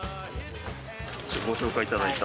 ご紹介いただいた。